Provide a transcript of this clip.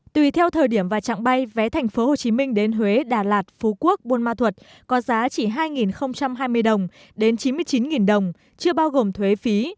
tùy theo thời điểm và trạng bay vé thành phố hồ chí minh đến huế đà lạt phú quốc buôn ma thuật có giá chỉ hai hai mươi đồng đến chín mươi chín đồng chưa bao gồm thuế phí